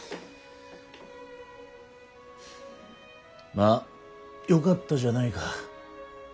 まあよかったじゃないか。